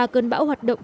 ba cơn bão hoạt động